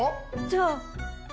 じゃあ誰？